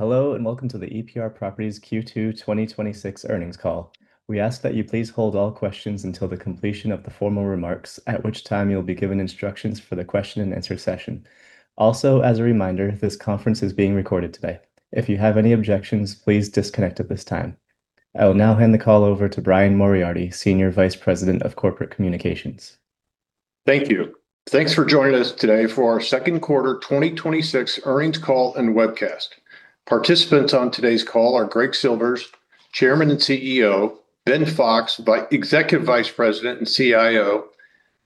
Hello, welcome to the EPR Properties Q2 2026 Earnings Call. We ask that you please hold all questions until the completion of the formal remarks, at which time you will be given instructions for the question and answer session. Also, as a reminder, this conference is being recorded today. If you have any objections, please disconnect at this time. I will now hand the call over to Brian Moriarty, Senior Vice President of Corporate Communications. Thank you. Thanks for joining us today for our second quarter 2026 earnings call and webcast. Participants on today's call are Greg Silvers, Chairman and CEO, Ben Fox, Executive Vice President and CIO,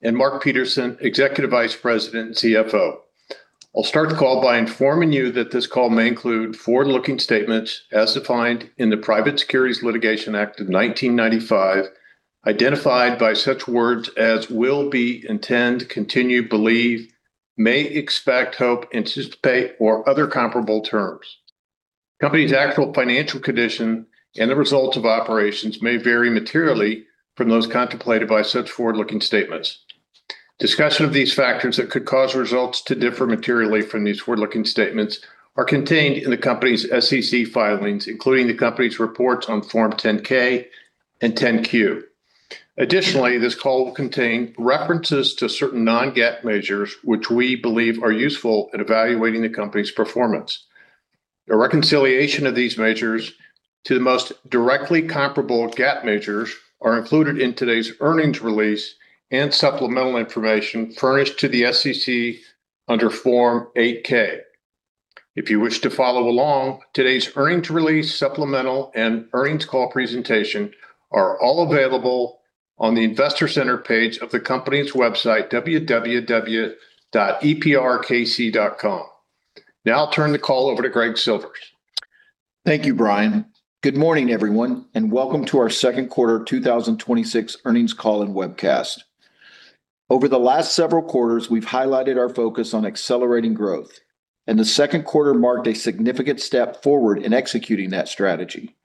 and Mark Peterson, Executive Vice President and CFO. I will start the call by informing you that this call may include forward-looking statements as defined in the Private Securities Litigation Reform Act of 1995, identified by such words as will be, intend, continue, believe, may expect, hope, anticipate, or other comparable terms. Company's actual financial condition and the results of operations may vary materially from those contemplated by such forward-looking statements. Discussion of these factors that could cause results to differ materially from these forward-looking statements are contained in the company's SEC filings, including the company's reports on Form 10-K and 10-Q. Additionally, this call will contain references to certain non-GAAP measures which we believe are useful in evaluating the company's performance. A reconciliation of these measures to the most directly comparable GAAP measures are included in today's earnings release and supplemental information furnished to the SEC under Form 8-K. If you wish to follow along, today's earnings release supplemental and earnings call presentation are all available on the investor center page of the company's website, www.eprkc.com. Now I will turn the call over to Greg Silvers. Thank you, Brian. Good morning, everyone, welcome to our second quarter 2026 earnings call and webcast. Over the last several quarters, we have highlighted our focus on accelerating growth, the second quarter marked a significant step forward in executing that strategy.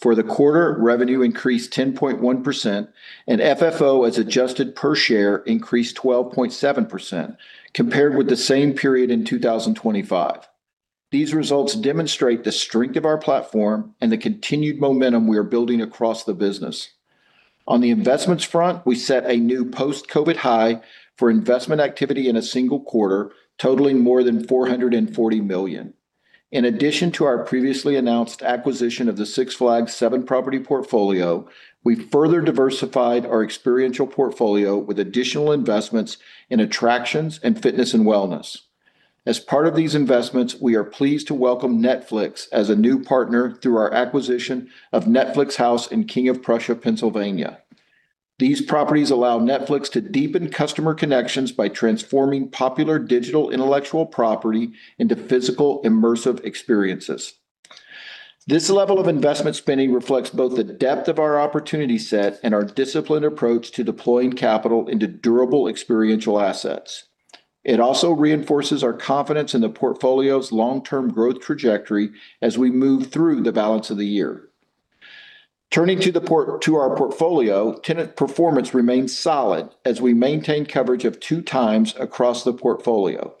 For the quarter, revenue increased 10.1%, FFO, as adjusted per share, increased 12.7% compared with the same period in 2025. These results demonstrate the strength of our platform and the continued momentum we are building across the business. On the investments front, we set a new post-COVID high for investment activity in a single quarter, totaling more than $440 million. In addition to our previously announced acquisition of the Six Flags seven-property portfolio, we further diversified our experiential portfolio with additional investments in attractions and fitness and wellness. As part of these investments, we are pleased to welcome Netflix as a new partner through our acquisition of Netflix House in King of Prussia, Pennsylvania. These properties allow Netflix to deepen customer connections by transforming popular digital intellectual property into physical, immersive experiences. This level of investment spending reflects both the depth of our opportunity set and our disciplined approach to deploying capital into durable experiential assets. It also reinforces our confidence in the portfolio's long-term growth trajectory as we move through the balance of the year. Turning to our portfolio, tenant performance remains solid as we maintain coverage of two times across the portfolio.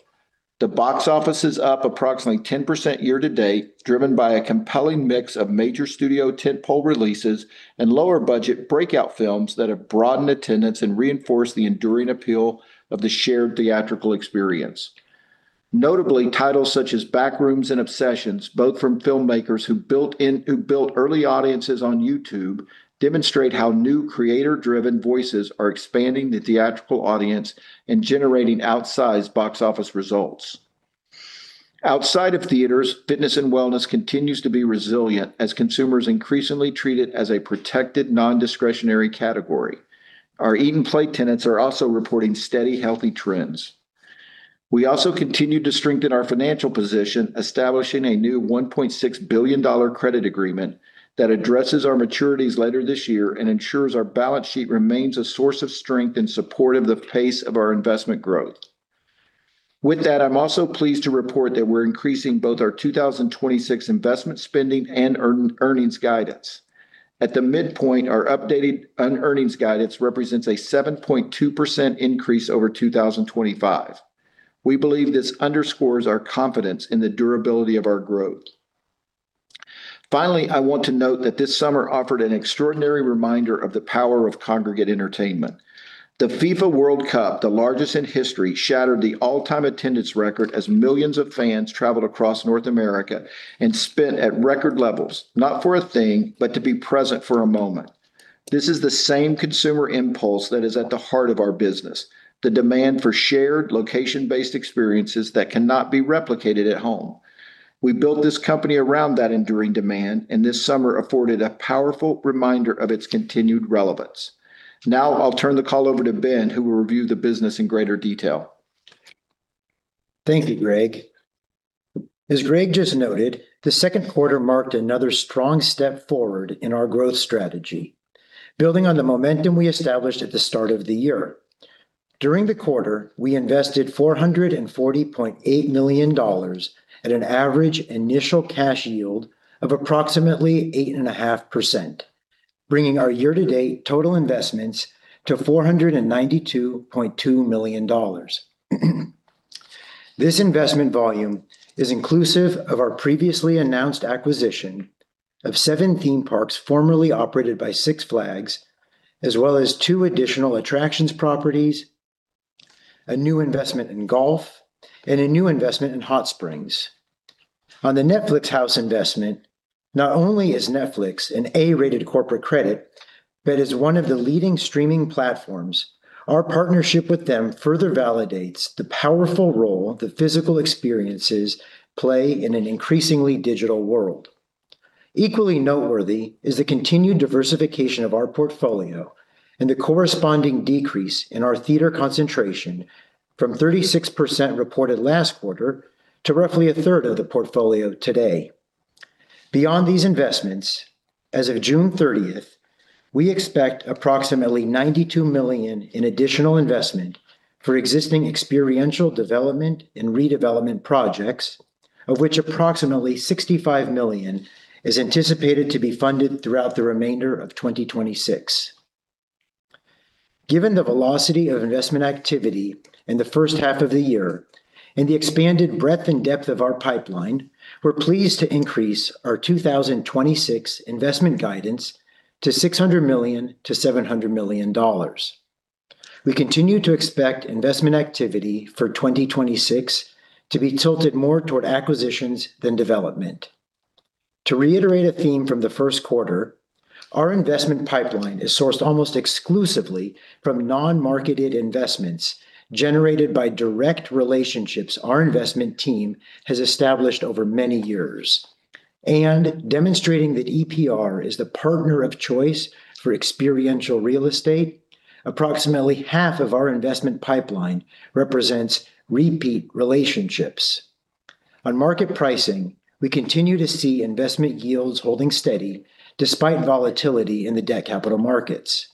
The box office is up approximately 10% year to date, driven by a compelling mix of major studio tentpole releases and lower-budget breakout films that have broadened attendance and reinforced the enduring appeal of the shared theatrical experience. Notably, titles such as "Backrooms" and "Obsessions," both from filmmakers who built early audiences on YouTube, demonstrate how new creator-driven voices are expanding the theatrical audience and generating outsized box office results. Outside of theaters, fitness and wellness continues to be resilient as consumers increasingly treat it as a protected non-discretionary category. Our Eat & Play tenants are also reporting steady, healthy trends. We also continue to strengthen our financial position, establishing a new $1.6 billion credit agreement that addresses our maturities later this year and ensures our balance sheet remains a source of strength in support of the pace of our investment growth. With that, I'm also pleased to report that we're increasing both our 2026 investment spending and earnings guidance. At the midpoint, our updated earnings guidance represents a 7.2% increase over 2025. We believe this underscores our confidence in the durability of our growth. Finally, I want to note that this summer offered an extraordinary reminder of the power of congregate entertainment. The FIFA World Cup, the largest in history, shattered the all-time attendance record as millions of fans traveled across North America and spent at record levels, not for a thing, but to be present for a moment. This is the same consumer impulse that is at the heart of our business, the demand for shared location-based experiences that cannot be replicated at home. We built this company around that enduring demand. This summer afforded a powerful reminder of its continued relevance. Now I'll turn the call over to Ben, who will review the business in greater detail. Thank you, Greg. As Greg just noted, the second quarter marked another strong step forward in our growth strategy, building on the momentum we established at the start of the year. During the quarter, we invested $440.8 million at an average initial cash yield of approximately 8.5%. Bringing our year-to-date total investments to $492.2 million. This investment volume is inclusive of our previously announced acquisition of 17 parks formerly operated by Six Flags, as well as two additional attractions properties, a new investment in golf, and a new investment in Hot Springs. On the Netflix House investment, not only is Netflix an A-rated corporate credit, but as one of the leading streaming platforms, our partnership with them further validates the powerful role that physical experiences play in an increasingly digital world. Equally noteworthy is the continued diversification of our portfolio and the corresponding decrease in our theater concentration from 36% reported last quarter to roughly a third of the portfolio today. Beyond these investments, as of June 30th, we expect approximately $92 million in additional investment for existing experiential development and redevelopment projects, of which approximately $65 million is anticipated to be funded throughout the remainder of 2026. Given the velocity of investment activity in the first half of the year and the expanded breadth and depth of our pipeline, we're pleased to increase our 2026 investment guidance to $600 million-$700 million. We continue to expect investment activity for 2026 to be tilted more toward acquisitions than development. To reiterate a theme from the first quarter, our investment pipeline is sourced almost exclusively from non-marketed investments generated by direct relationships our investment team has established over many years. Demonstrating that EPR is the partner of choice for experiential real estate, approximately half of our investment pipeline represents repeat relationships. On market pricing, we continue to see investment yields holding steady despite volatility in the debt capital markets.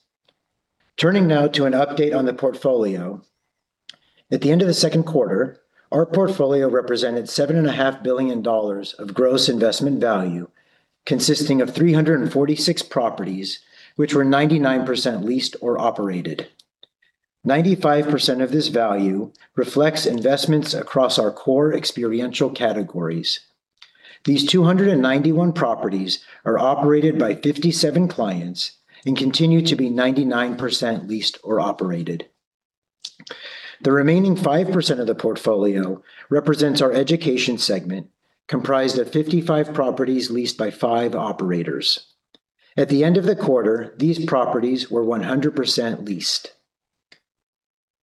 Turning now to an update on the portfolio. At the end of the second quarter, our portfolio represented $7.5 billion of gross investment value, consisting of 346 properties, which were 99% leased or operated. 95% of this value reflects investments across our core experiential categories. These 291 properties are operated by 57 clients and continue to be 99% leased or operated. The remaining 5% of the portfolio represents our education segment, comprised of 55 properties leased by five operators. At the end of the quarter, these properties were 100% leased.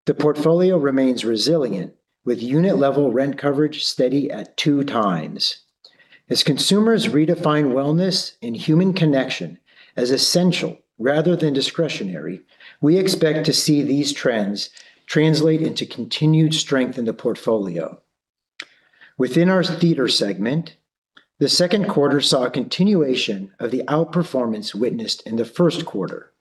The portfolio remains resilient, with unit-level rent coverage steady at two times. As consumers redefine wellness and human connection as essential rather than discretionary, we expect to see these trends translate into continued strength in the portfolio. Within our theater segment, the second quarter saw a continuation of the outperformance witnessed in the first quarter.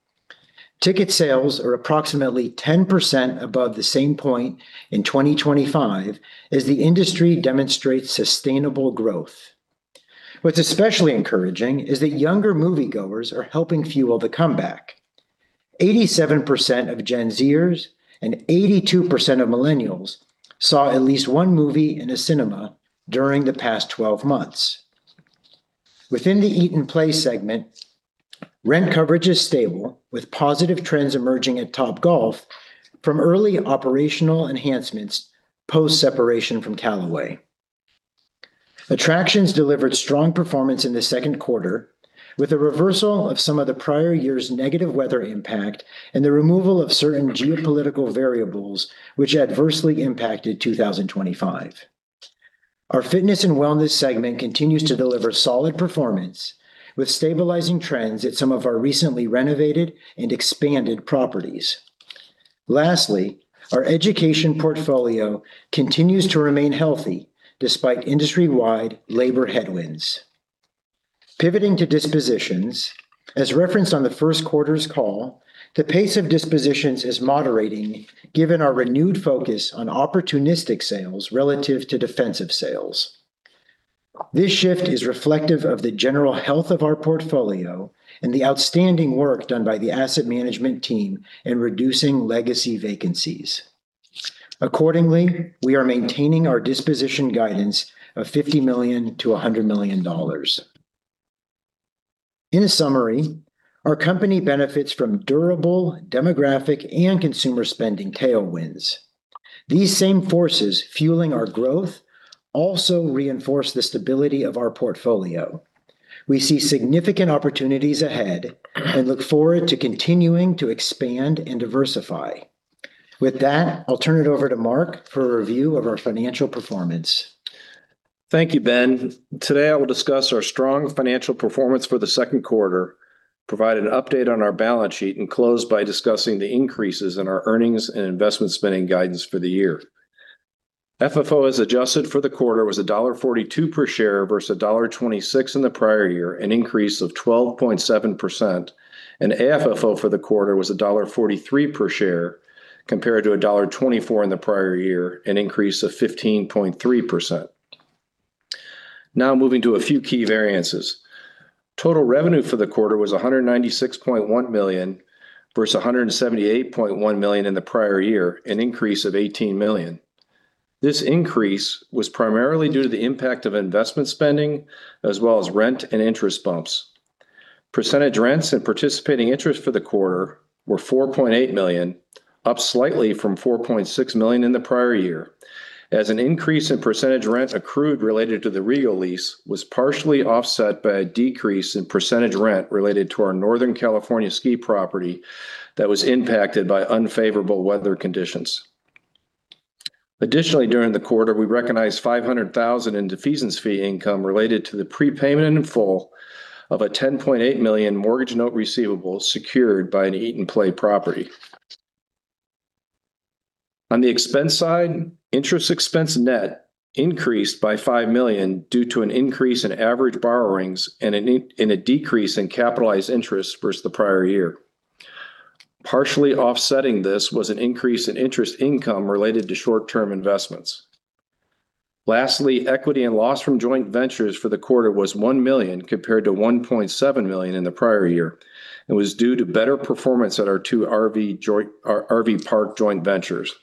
Ticket sales are approximately 10% above the same point in 2025 as the industry demonstrates sustainable growth. What's especially encouraging is that younger moviegoers are helping fuel the comeback. 87% of Gen Z-ers and 82% of millennials saw at least one movie in a cinema during the past 12 months. Within the eat and play segment, rent coverage is stable, with positive trends emerging at Topgolf from early operational enhancements post-separation from Callaway. Attractions delivered strong performance in the second quarter with a reversal of some of the prior year's negative weather impact and the removal of certain geopolitical variables, which adversely impacted 2025. Our fitness and wellness segment continues to deliver solid performance with stabilizing trends at some of our recently renovated and expanded properties. Lastly, our education portfolio continues to remain healthy despite industry-wide labor headwinds. Pivoting to dispositions, as referenced on the first quarter's call, the pace of dispositions is moderating given our renewed focus on opportunistic sales relative to defensive sales. This shift is reflective of the general health of our portfolio and the outstanding work done by the asset management team in reducing legacy vacancies. Accordingly, we are maintaining our disposition guidance of $50 million-$100 million. In summary, our company benefits from durable demographic and consumer spending tailwinds. These same forces fueling our growth also reinforce the stability of our portfolio. We see significant opportunities ahead and look forward to continuing to expand and diversify. With that, I'll turn it over to Mark for a review of our financial performance. Thank you, Ben. Today, I will discuss our strong financial performance for the second quarter, provide an update on our balance sheet, and close by discussing the increases in our earnings and investment spending guidance for the year. FFO as adjusted for the quarter, was $1.42 per share versus $1.26 in the prior year, an increase of 12.7%, and AFFO for the quarter was $1.43 per share, compared to $1.24 in the prior year, an increase of 15.3%. Moving to a few key variances. Total revenue for the quarter was $196.1 million versus $178.1 million in the prior year, an increase of $18 million. This increase was primarily due to the impact of investment spending, as well as rent and interest bumps. Percentage rents and participating interest for the quarter were $4.8 million, up slightly from $4.6 million in the prior year. An increase in percentage rents accrued related to the RIO lease was partially offset by a decrease in percentage rent related to our Northern California ski property that was impacted by unfavorable weather conditions. Additionally, during the quarter, we recognized $500,000 in defeasance fee income related to the prepayment in full of a $10.8 million mortgage note receivable secured by an Eat and Play property. On the expense side, interest expense net increased by $5 million due to an increase in average borrowings and a decrease in capitalized interest versus the prior year. Partially offsetting this was an increase in interest income related to short-term investments. Lastly, equity and loss from joint ventures for the quarter was $1 million, compared to $1.7 million in the prior year, and was due to better performance at our two RV park joint ventures.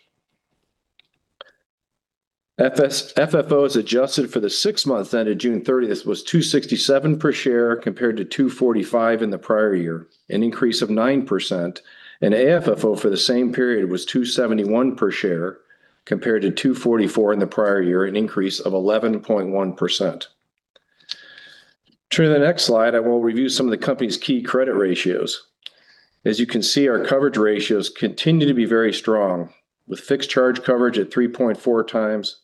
FFO as adjusted for the six months ended June 30th was $2.67 per share, compared to $2.45 in the prior year, an increase of 9%, and AFFO for the same period was $2.71 per share, compared to $2.44 in the prior year, an increase of 11.1%. Turning to the next slide, I will review some of the company's key credit ratios. As you can see, our coverage ratios continue to be very strong, with fixed charge coverage at 3.4 times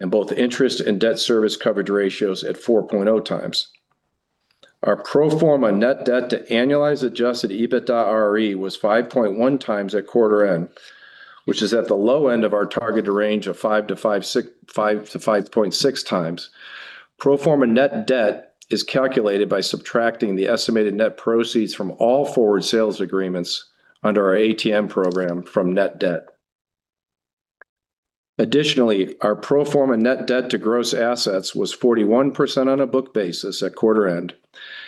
and both interest and debt service coverage ratios at 4.0 times. Our pro forma net debt to annualized adjusted EBITDAre was 5.1 times at quarter end, which is at the low end of our targeted range of 5 to 5.6 times. Pro forma net debt is calculated by subtracting the estimated net proceeds from all forward sales agreements under our ATM program from net debt. Additionally, our pro forma net debt to gross assets was 41% on a book basis at quarter end,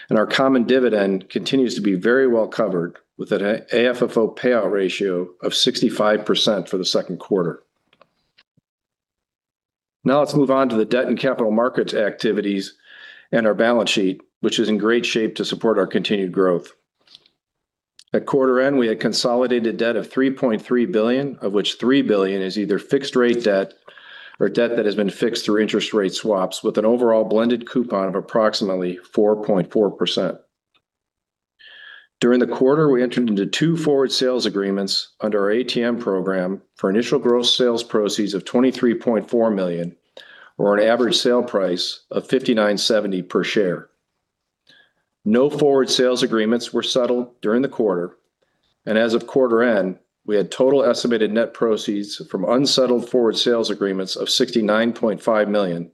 and our common dividend continues to be very well covered with an AFFO payout ratio of 65% for the second quarter. Let's move on to the debt and capital markets activities and our balance sheet, which is in great shape to support our continued growth. At quarter end, we had consolidated debt of $3.3 billion, of which $3 billion is either fixed-rate debt or debt that has been fixed through interest rate swaps with an overall blended coupon of approximately 4.4%. During the quarter, we entered into two forward sales agreements under our ATM program for initial gross sales proceeds of $23.4 million, or an average sale price of $59.70 per share. No forward sales agreements were settled during the quarter. As of quarter end, we had total estimated net proceeds from unsettled forward sales agreements of $69.5 million,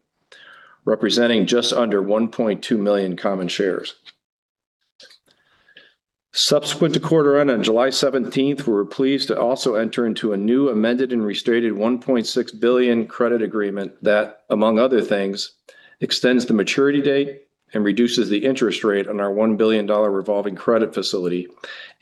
representing just under $1.2 million common shares. Subsequent to quarter end on July 17th, we were pleased to also enter into a new amended and restated $1.6 billion credit agreement that, among other things, extends the maturity date and reduces the interest rate on our $1 billion revolving credit facility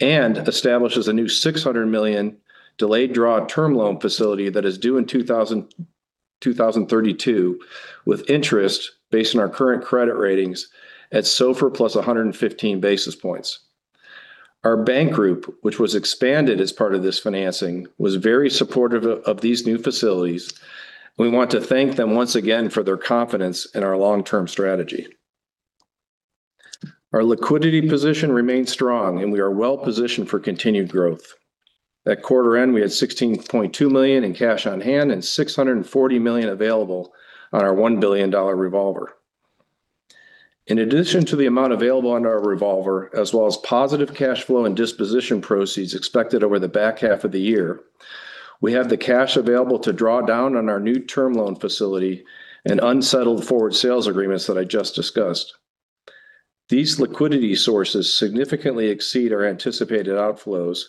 and establishes a new $600 million delayed draw term loan facility that is due in 2032, with interest based on our current credit ratings at SOFR plus 115 basis points. Our bank group, which was expanded as part of this financing, was very supportive of these new facilities. We want to thank them once again for their confidence in our long-term strategy. Our liquidity position remains strong. We are well positioned for continued growth. At quarter end, we had $16.2 million in cash on hand and $640 million available on our $1 billion revolver. In addition to the amount available on our revolver, as well as positive cash flow and disposition proceeds expected over the back half of the year, we have the cash available to draw down on our new term loan facility and unsettled forward sales agreements that I just discussed. These liquidity sources significantly exceed our anticipated outflows,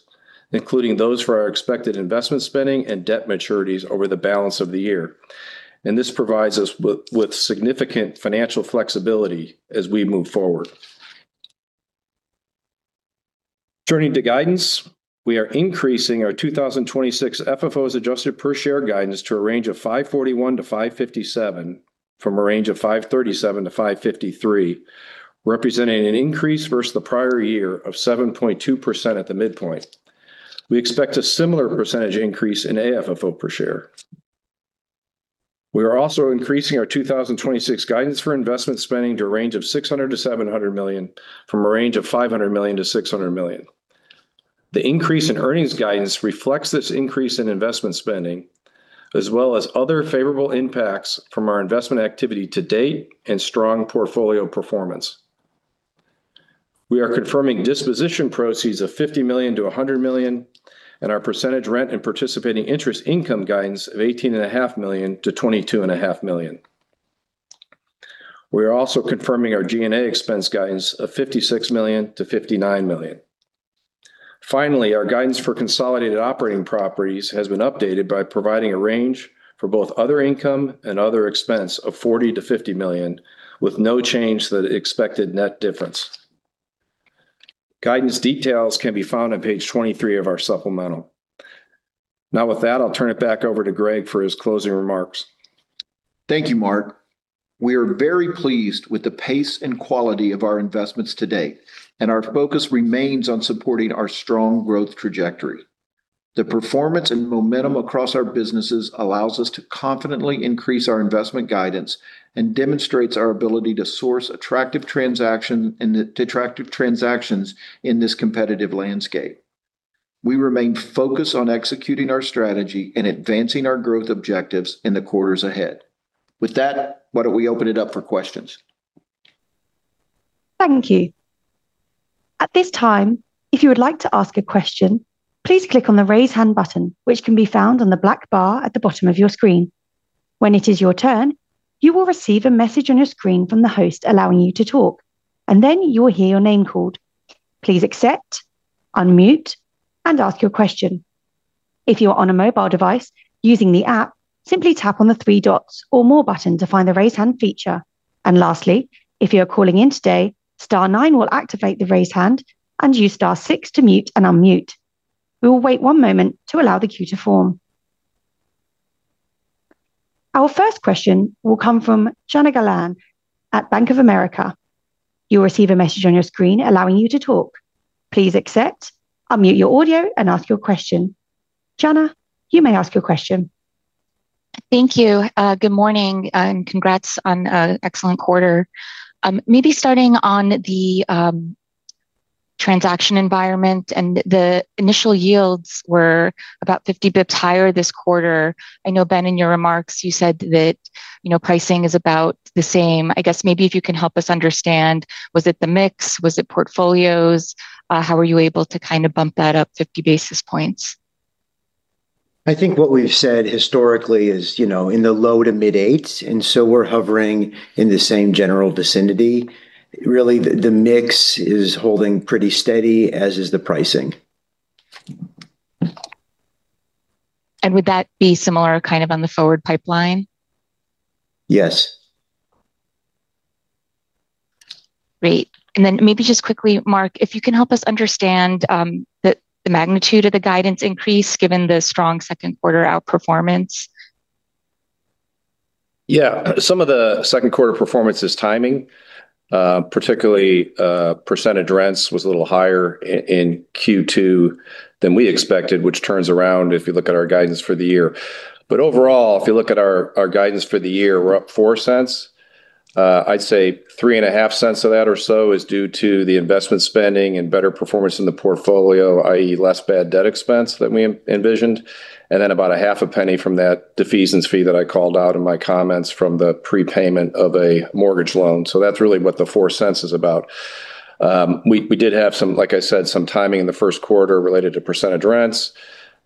including those for our expected investment spending and debt maturities over the balance of the year. This provides us with significant financial flexibility as we move forward. Turning to guidance, we are increasing our 2026 FFO as adjusted per share guidance to a range of $5.41-$5.57 from a range of $5.37-$5.53, representing an increase versus the prior year of 7.2% at the midpoint. We expect a similar percentage increase in AFFO per share. We are also increasing our 2026 guidance for investment spending to a range of $600 million-$700 million, from a range of $500 million-$600 million. The increase in earnings guidance reflects this increase in investment spending, as well as other favorable impacts from our investment activity to date and strong portfolio performance. We are confirming disposition proceeds of $50 million-$100 million and our percentage rent and participating interest income guidance of $18.5 million-$22.5 million. We are also confirming our G&A expense guidance of $56 million-$59 million. Our guidance for consolidated operating properties has been updated by providing a range for both other income and other expense of $40 million-$50 million, with no change to the expected net difference. Guidance details can be found on page 23 of our supplemental. With that, I'll turn it back over to Greg for his closing remarks. Thank you, Mark. We are very pleased with the pace and quality of our investments to date, our focus remains on supporting our strong growth trajectory. The performance and momentum across our businesses allows us to confidently increase our investment guidance demonstrates our ability to source attractive transactions in this competitive landscape. We remain focused on executing our strategy and advancing our growth objectives in the quarters ahead. Why don't we open it up for questions? Thank you. At this time, if you would like to ask a question, please click on the raise hand button, which can be found on the black bar at the bottom of your screen. When it is your turn, you will receive a message on your screen from the host allowing you to talk, then you will hear your name called. Please accept, unmute, and ask your question. If you are on a mobile device using the app, simply tap on the three dots or More button to find the raise hand feature. Lastly, if you are calling in today, star nine will activate the raise hand, and use star six to mute and unmute. We will wait one moment to allow the queue to form. Our first question will come from Jana Galan at Bank of America. You will receive a message on your screen allowing you to talk. Please accept, unmute your audio, and ask your question. Jana, you may ask your question. Thank you. Good morning. Congrats on an excellent quarter. Maybe starting on the transaction environment, the initial yields were about 50 bips higher this quarter. I know, Ben, in your remarks you said that pricing is about the same. I guess maybe if you can help us understand, was it the mix? Was it portfolios? How were you able to kind of bump that up 50 basis points? I think what we've said historically is in the low to mid eights. We're hovering in the same general vicinity. Really, the mix is holding pretty steady, as is the pricing. Would that be similar kind of on the forward pipeline? Yes. Great. Maybe just quickly, Mark, if you can help us understand the magnitude of the guidance increase given the strong second quarter outperformance. Some of the second quarter performance is timing. Particularly percentage rents was a little higher in Q2 than we expected, which turns around if you look at our guidance for the year. Overall, if you look at our guidance for the year, we're up $0.04. I'd say $0.035 of that or so is due to the investment spending and better performance in the portfolio, i.e., less bad debt expense than we envisioned, and then about $0.005 from that defeasance fee that I called out in my comments from the prepayment of a mortgage loan. That's really what the $0.04 is about. We did have some, like I said, some timing in the first quarter related to percentage rents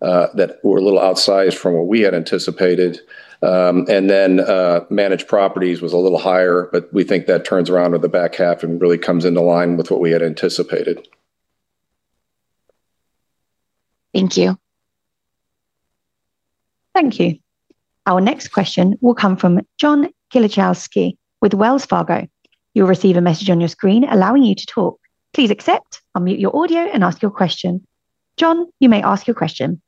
that were a little outsized from what we had anticipated. Managed Properties was a little higher, we think that turns around in the back half and really comes into line with what we had anticipated. Thank you. Thank you. Our next question will come from John Kilichowski with Wells Fargo. You'll receive a message on your screen allowing you to talk. Please accept, unmute your audio, and ask your question. John, you may ask your question.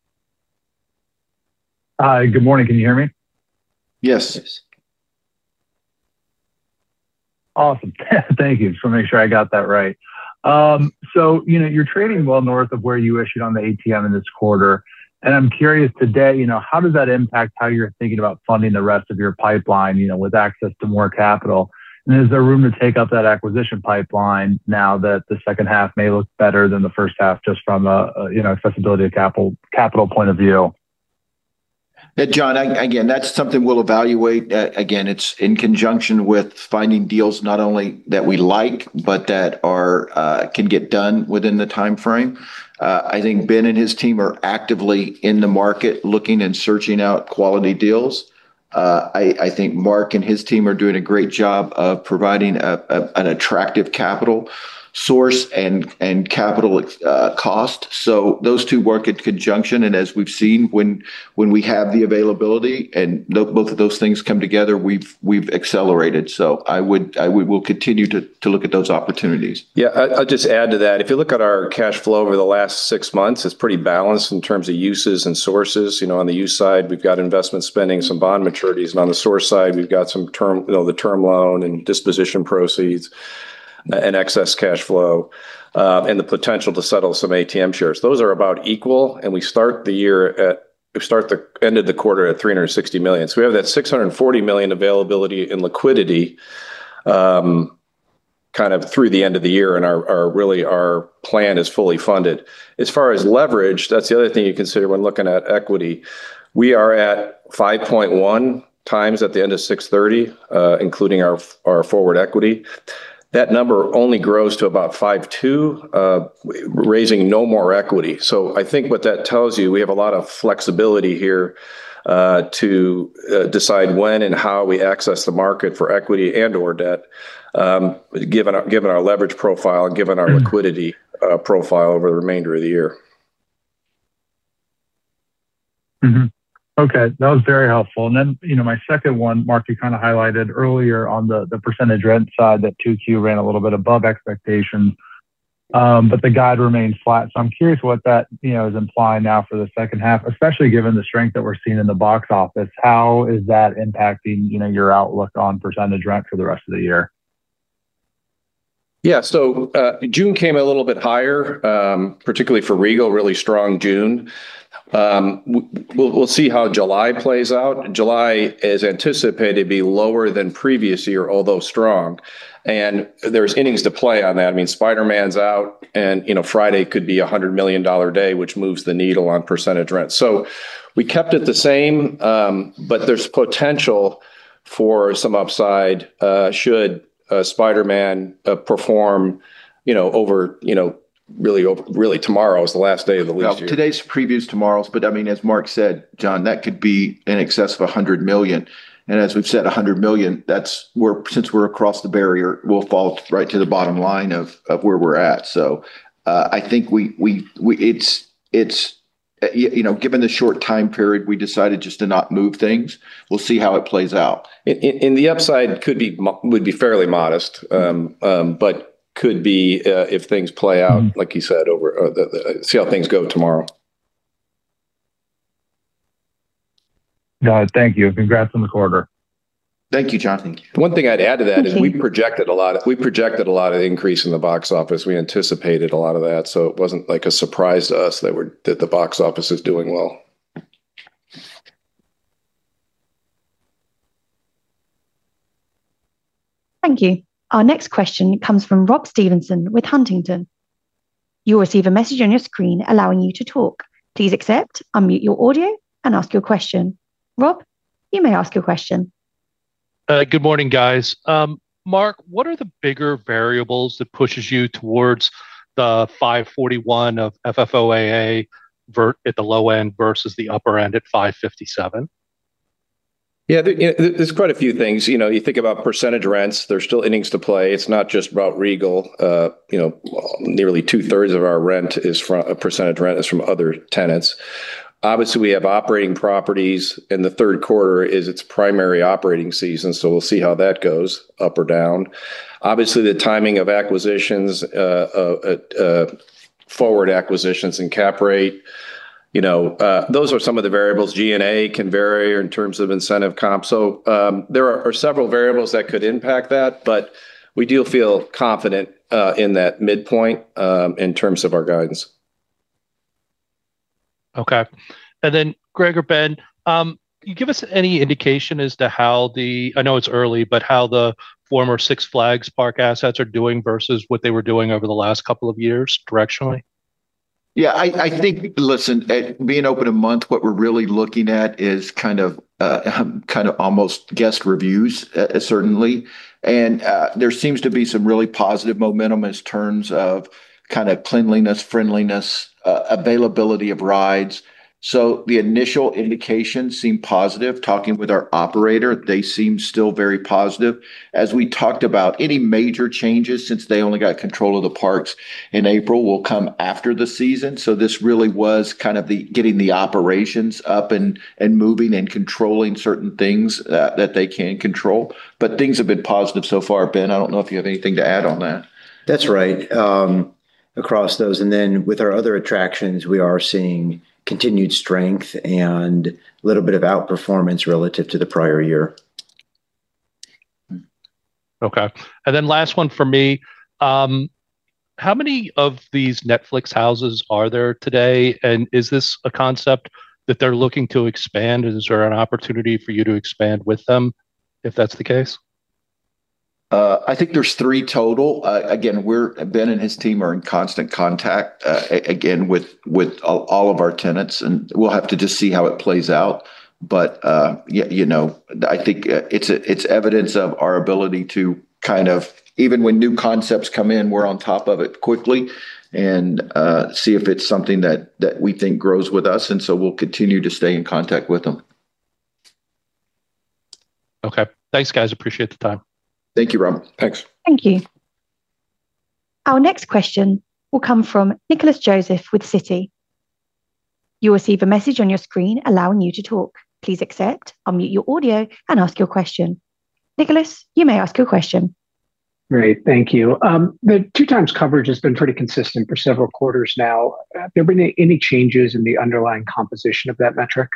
Good morning. Can you hear me? Yes. Awesome. Thank you. Just want to make sure I got that right. You're trading well north of where you issued on the ATM in this quarter, and I'm curious today, how does that impact how you're thinking about funding the rest of your pipeline, with access to more capital? Is there room to take up that acquisition pipeline now that the second half may look better than the first half just from an accessibility to capital point of view? John, again, that's something we'll evaluate. Again, it's in conjunction with finding deals not only that we like, but that can get done within the timeframe. I think Ben and his team are actively in the market looking and searching out quality deals. I think Mark and his team are doing a great job of providing an attractive capital source and capital cost. Those two work in conjunction, and as we've seen when we have the availability and both of those things come together, we've accelerated. We'll continue to look at those opportunities. Yeah, I'll just add to that. If you look at our cash flow over the last six months, it's pretty balanced in terms of uses and sources. On the use side, we've got investment spending, some bond maturities, and on the source side, we've got the term loan and disposition proceeds and excess cash flow, and the potential to settle some ATM shares. Those are about equal, and we ended the quarter at $360 million. We have that $640 million availability in liquidity kind of through the end of the year, and really our plan is fully funded. As far as leverage, that's the other thing you consider when looking at equity. We are at 5.1 times at the end of 630, including our forward equity. That number only grows to about 5.2, raising no more equity. I think what that tells you, we have a lot of flexibility here to decide when and how we access the market for equity and/or debt, given our leverage profile and given our liquidity profile over the remainder of the year. Okay. That was very helpful. My second one, Mark, you kind of highlighted earlier on the percentage rent side that 2Q ran a little bit above expectations, but the guide remains flat. I'm curious what that is implying now for the second half, especially given the strength that we're seeing in the box office. How is that impacting your outlook on percentage rent for the rest of the year? Yeah. June came a little bit higher, particularly for Regal, really strong June. We'll see how July plays out. July is anticipated to be lower than previous year, although strong, and there's innings to play on that. I mean, Spider-Man's out, and Friday could be a $100 million day, which moves the needle on percentage rent. We kept it the same, but there's potential for some upside, should Spider-Man perform, really tomorrow is the last day of the lease year. Well, today's preview's tomorrow. As Mark said, John, that could be in excess of $100 million. As we've said, $100 million, since we're across the barrier, we'll fall right to the bottom line of where we're at. I think, given the short time period, we decided just to not move things. We'll see how it plays out. The upside would be fairly modest, could be, if things play out, like you said, see how things go tomorrow. Got it. Thank you. Congrats on the quarter. Thank you, John. The one thing I'd add to that is we projected a lot of increase in the box office. We anticipated a lot of that. It wasn't a surprise to us that the box office is doing well. Thank you. Our next question comes from Rob Stevenson with Huntington. You will receive a message on your screen allowing you to talk. Please accept, unmute your audio, and ask your question. Rob, you may ask your question. Good morning, guys. Mark, what are the bigger variables that pushes you towards the $5.41 of FFOAA at the low end versus the upper end at $5.57? Yeah. There is quite a few things. You think about percentage rents. There is still innings to play. It is not just about Regal. Nearly 2/3 of our percentage rent is from other tenants. Obviously, we have operating properties, and the third quarter is its primary operating season, so we will see how that goes, up or down. Obviously, the timing of acquisitions, forward acquisitions, and cap rate. Those are some of the variables. G&A can vary in terms of incentive comp. There are several variables that could impact that, but we do feel confident in that midpoint, in terms of our guidance. Okay. Greg or Ben, can you give us any indication as to how the, I know it is early, but how the former Six Flags park assets are doing versus what they were doing over the last couple of years, directionally? I think, listen, being open a month, what we're really looking at is almost guest reviews, certainly. There seems to be some really positive momentum in terms of cleanliness, friendliness, availability of rides. The initial indications seem positive. Talking with our operator, they seem still very positive. As we talked about, any major changes, since they only got control of the parks in April, will come after the season. This really was kind of the getting the operations up and moving, and controlling certain things that they can control. Things have been positive so far. Ben, I don't know if you have anything to add on that. That's right. Across those, and then with our other attractions, we are seeing continued strength and a little bit of outperformance relative to the prior year. Okay. Last one from me. How many of these Netflix Houses are there today? Is this a concept that they're looking to expand? Is there an opportunity for you to expand with them, if that's the case? I think there's three total. Again, Ben and his team are in constant contact with all of our tenants, and we'll have to just see how it plays out. I think it's evidence of our ability to kind of, even when new concepts come in, we're on top of it quickly and see if it's something that we think grows with us, and so we'll continue to stay in contact with them. Okay. Thanks, guys. Appreciate the time. Thank you, Rob. Thanks. Thank you. Our next question will come from Nicholas Joseph with Citi. You will receive a message on your screen allowing you to talk. Please accept, unmute your audio, and ask your question. Nicholas, you may ask your question. Great. Thank you. The two times coverage has been pretty consistent for several quarters now. Have there been any changes in the underlying composition of that metric?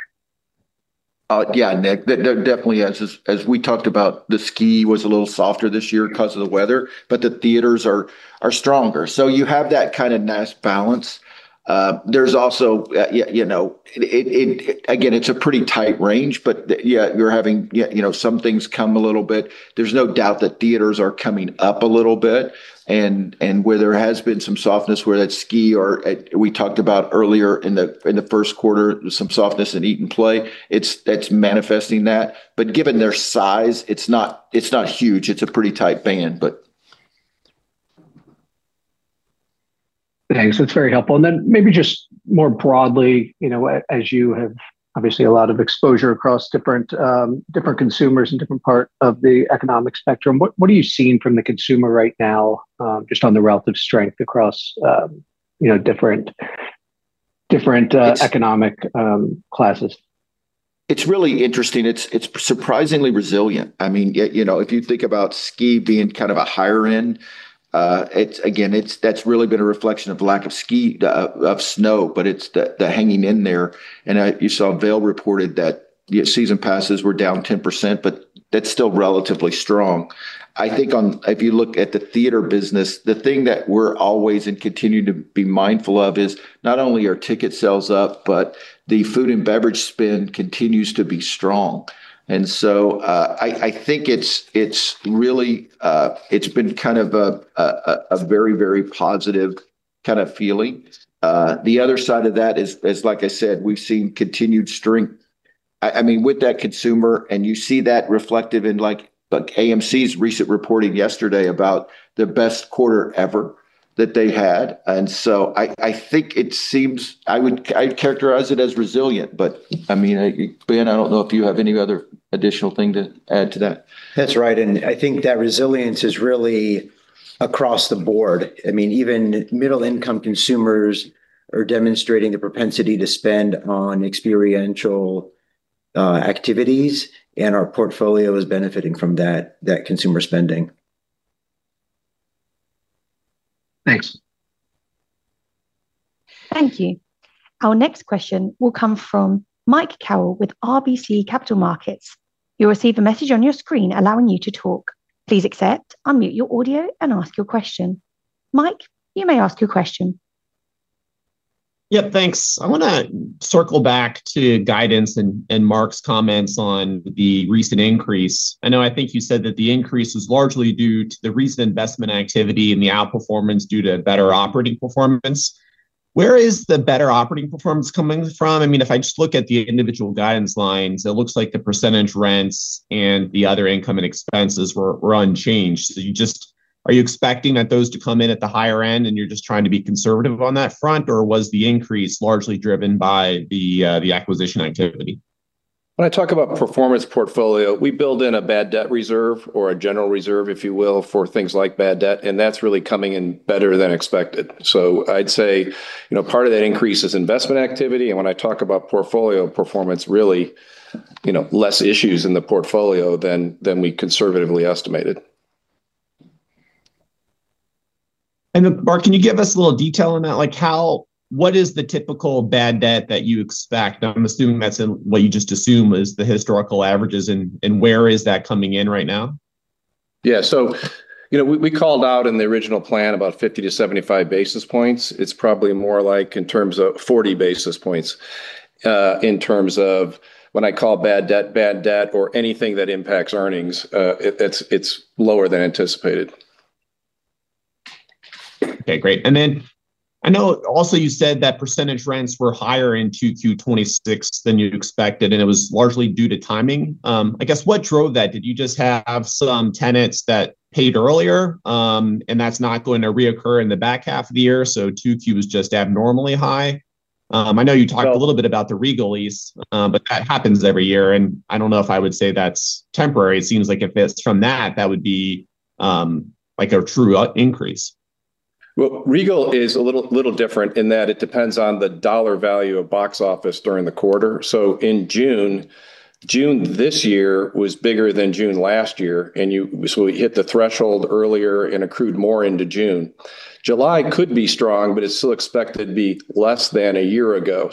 Yeah, Nick. There definitely is. As we talked about, the ski was a little softer this year because of the weather, but the theaters are stronger. You have that kind of nice balance. There's also, again, it's a pretty tight range, but you're having some things come a little bit. There's no doubt that theaters are coming up a little bit, and where there has been some softness where that ski, or we talked about earlier in the first quarter, some softness in eat and play. It's manifesting that. Given their size, it's not huge. It's a pretty tight band. Thanks. That's very helpful. Then maybe just more broadly, as you have obviously a lot of exposure across different consumers and different part of the economic spectrum, what are you seeing from the consumer right now, just on the relative strength across different economic classes. It's really interesting. It's surprisingly resilient. If you think about ski being kind of a higher end, again, that's really been a reflection of lack of snow, but it's the hanging in there. You saw Vail reported that season passes were down 10%, but that's still relatively strong. If you look at the theater business, the thing that we're always, and continue to be mindful of is not only are ticket sales up, but the food and beverage spend continues to be strong. I think it's been kind of a very positive kind of feeling. The other side of that is, like I said, we've seen continued strength. With that consumer, and you see that reflected in AMC's recent reporting yesterday about the best quarter ever that they had. I think it seems I'd characterize it as resilient. Ben, I don't know if you have any other additional thing to add to that. That's right. I think that resilience is really across the board. Even middle income consumers are demonstrating the propensity to spend on experiential activities, and our portfolio is benefiting from that consumer spending. Thanks. Thank you. Our next question will come from Mike Carroll with RBC Capital Markets. You'll receive a message on your screen allowing you to talk. Please accept, unmute your audio, and ask your question. Mike, you may ask your question. Yep, thanks. I want to circle back to guidance and Mark's comments on the recent increase. I know, I think you said that the increase was largely due to the recent investment activity and the outperformance due to better operating performance. Where is the better operating performance coming from? If I just look at the individual guidance lines, it looks like the percentage rents and the other income and expenses were unchanged. Are you expecting those to come in at the higher end and you're just trying to be conservative on that front? Was the increase largely driven by the acquisition activity? When I talk about performance portfolio, we build in a bad debt reserve or a general reserve, if you will, for things like bad debt, and that's really coming in better than expected. I'd say, part of that increase is investment activity. When I talk about portfolio performance, really less issues in the portfolio than we conservatively estimated. Mark, can you give us a little detail on that? What is the typical bad debt that you expect? I'm assuming that's what you just assumed was the historical averages, and where is that coming in right now? Yeah. We called out in the original plan about 50 to 75 basis points. It's probably more like in terms of 40 basis points. In terms of when I call bad debt, or anything that impacts earnings, it's lower than anticipated. Okay, great. I know also you said that percentage rents were higher in 2Q 2026 than you'd expected, and it was largely due to timing. I guess what drove that? Did you just have some tenants that paid earlier, and that's not going to reoccur in the back half of the year, so 2Q is just abnormally high? I know you talked a little bit about the Regal lease, but that happens every year, and I don't know if I would say that's temporary. It seems like if it's from that would be like a true increase. Well, Regal is a little different in that it depends on the dollar value of box office during the quarter. In June this year was bigger than June last year, we hit the threshold earlier and accrued more into June. July could be strong, but it's still expected to be less than a year ago.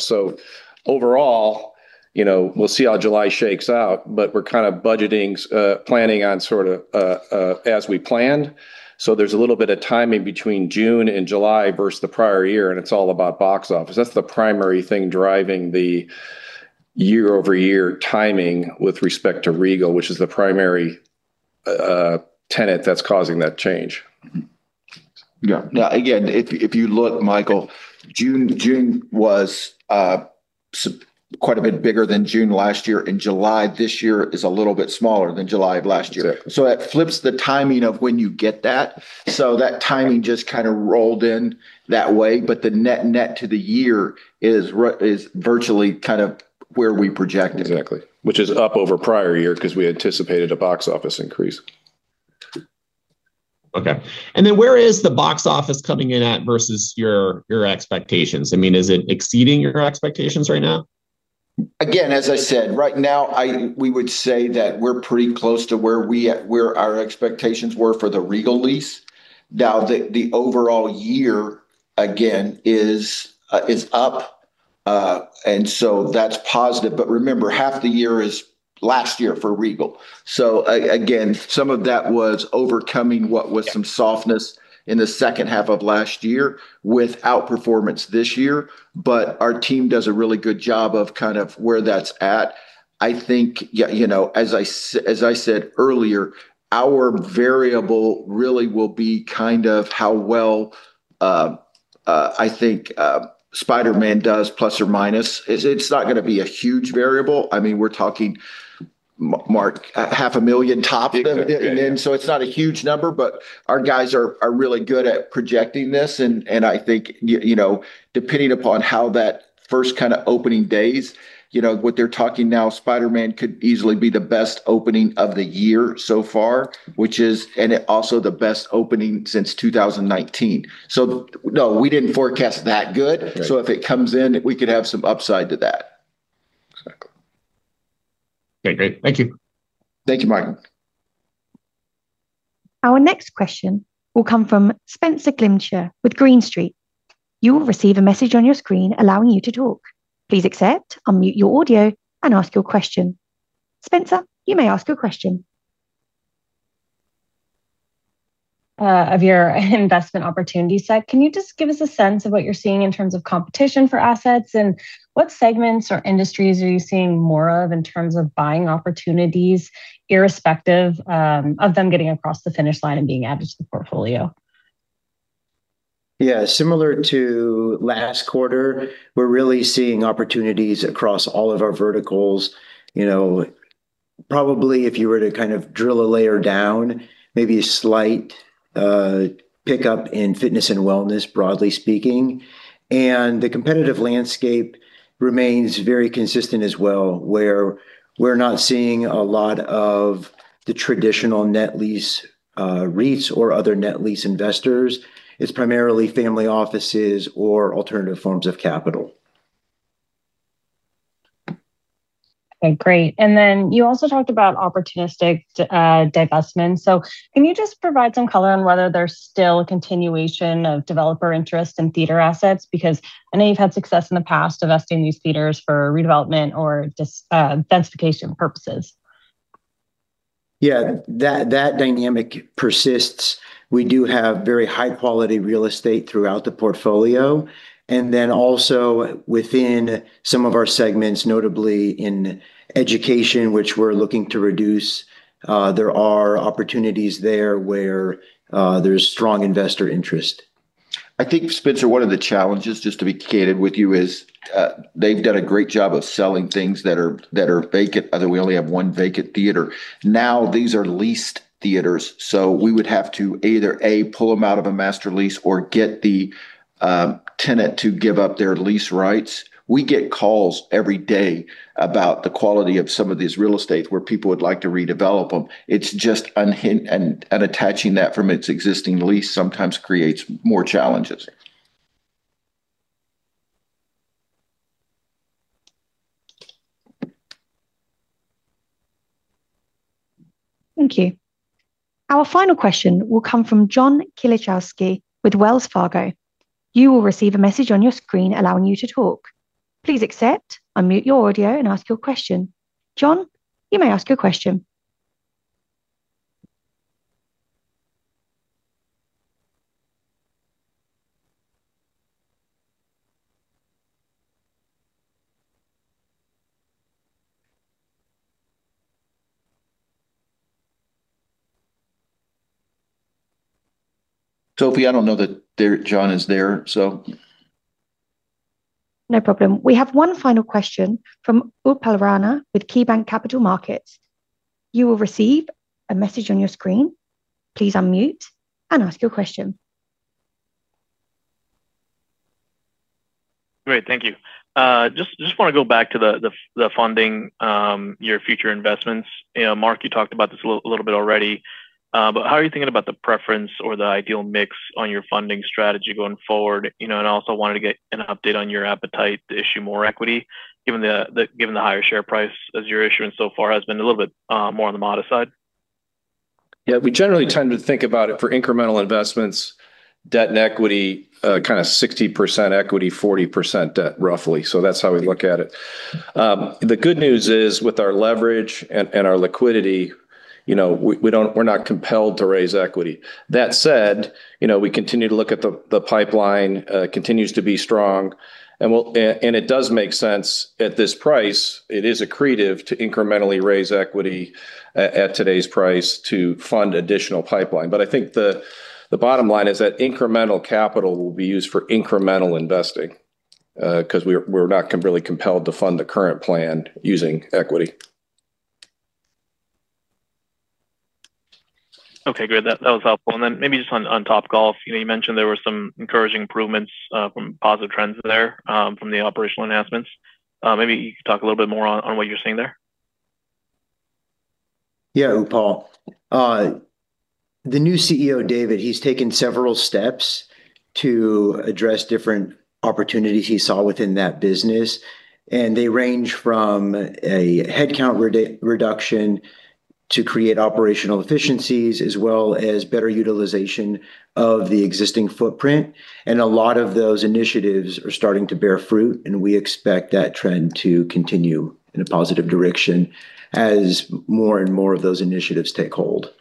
Overall, we'll see how July shakes out, but we're kind of budgeting, planning on sort of as we planned. There's a little bit of timing between June and July versus the prior year, and it's all about box office. That's the primary thing driving the year-over-year timing with respect to Regal, which is the primary tenant that's causing that change. Yeah. If you look, Michael, June was quite a bit bigger than June last year, July this year is a little bit smaller than July of last year. Exactly. That flips the timing of when you get that. That timing just kind of rolled in that way. The net to the year is virtually kind of where we projected. Exactly. Which is up over prior year because we anticipated a box office increase. Okay. Where is the box office coming in at versus your expectations? Is it exceeding your expectations right now? As I said, right now, we would say that we're pretty close to where our expectations were for the Regal lease. The overall year, again, is up. That's positive. Remember, half the year is last year for Regal. Again, some of that was overcoming what was some softness in the second half of last year with outperformance this year. Our team does a really good job of kind of where that's at. I think, as I said earlier, our variable really will be kind of how well, I think, Spider-Man does ±. It's not going to be a huge variable. We're talking, Mark, half a million top. Yeah. It's not a huge number, our guys are really good at projecting this. I think, depending upon how that first kind of opening days, what they're talking now, Spider-Man could easily be the best opening of the year so far, and also the best opening since 2019. No, we didn't forecast that good. Right. If it comes in, we could have some upside to that. Okay, great. Thank you. Thank you, Michael. Our next question will come from Spenser Glimcher with Green Street. You will receive a message on your screen allowing you to talk. Please accept, unmute your audio and ask your question. Spenser, you may ask your question. Of your investment opportunity set. Can you just give us a sense of what you're seeing in terms of competition for assets, what segments or industries are you seeing more of in terms of buying opportunities, irrespective of them getting across the finish line and being added to the portfolio? Yeah. Similar to last quarter, we're really seeing opportunities across all of our verticals. Probably if you were to kind of drill a layer down, maybe a slight pickup in fitness and wellness, broadly speaking. The competitive landscape remains very consistent as well, where we're not seeing a lot of the traditional net lease REITs or other net lease investors. It's primarily family offices or alternative forms of capital. Okay, great. You also talked about opportunistic divestment. Can you just provide some color on whether there's still a continuation of developer interest in theater assets? Because I know you've had success in the past divesting these theaters for redevelopment or just densification purposes. Yeah, that dynamic persists. We do have very high-quality real estate throughout the portfolio, and also within some of our segments, notably in education, which we're looking to reduce. There are opportunities there where there's strong investor interest. I think, Spenser, one of the challenges, just to be candid with you, is they've done a great job of selling things that are vacant. Although we only have one vacant theater. These are leased theaters, so we would have to either, A, pull them out of a master lease or get the tenant to give up their lease rights. We get calls every day about the quality of some of these real estate, where people would like to redevelop them. It's just unhitched, and detaching that from its existing lease sometimes creates more challenges. Thank you. Our final question will come from John Kilichowski with Wells Fargo. You will receive a message on your screen allowing you to talk. Please accept, unmute your audio, and ask your question. John, you may ask your question. Sophie, I don't know that John is there. No problem. We have one final question from Upal Rana with KeyBanc Capital Markets. You will receive a message on your screen. Please unmute and ask your question. Great. Thank you. Just want to go back to the funding your future investments. Mark, you talked about this a little bit already. How are you thinking about the preference or the ideal mix on your funding strategy going forward? Also wanted to get an update on your appetite to issue more equity, given the higher share price as your issuance so far has been a little bit more on the modest side. Yeah, we generally tend to think about it for incremental investments, debt, and equity, kind of 60% equity, 40% debt, roughly. That's how we look at it. The good news is, with our leverage and our liquidity, we're not compelled to raise equity. That said, we continue to look at the pipeline, continues to be strong, and it does make sense at this price. It is accretive to incrementally raise equity at today's price to fund additional pipeline. I think the bottom line is that incremental capital will be used for incremental investing, because we're not really compelled to fund the current plan using equity. Okay, good. That was helpful. Maybe just on Topgolf. You mentioned there were some encouraging improvements from positive trends there from the operational enhancements. Maybe you could talk a little bit more on what you're seeing there. Yeah, Upal. The new CEO, David, he's taken several steps to address different opportunities he saw within that business. They range from a headcount reduction to create operational efficiencies as well as better utilization of the existing footprint. A lot of those initiatives are starting to bear fruit, and we expect that trend to continue in a positive direction as more and more of those initiatives take hold.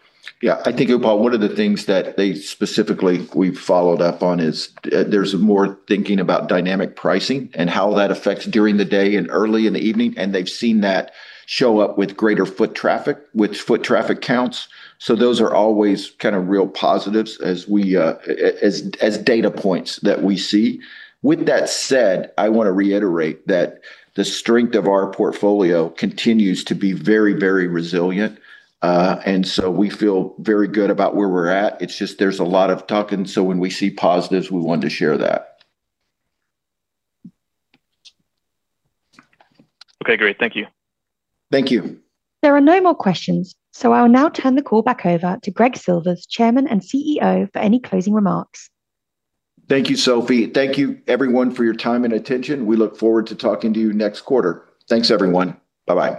Yeah. I think, Upal, one of the things that specifically we've followed up on is there's more thinking about dynamic pricing and how that affects during the day and early in the evening. They've seen that show up with greater foot traffic, with foot traffic counts. Those are always kind of real positives as data points that we see. With that said, I want to reiterate that the strength of our portfolio continues to be very resilient. We feel very good about where we're at. It's just there's a lot of talking, so when we see positives, we wanted to share that. Okay, great. Thank you. Thank you. There are no more questions. I will now turn the call back over to Greg Silvers, Chairman and CEO, for any closing remarks. Thank you, Sophie. Thank you everyone for your time and attention. We look forward to talking to you next quarter. Thanks everyone. Bye-bye.